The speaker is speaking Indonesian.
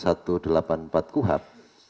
jadi dari pasal satu ratus delapan puluh empat kuhap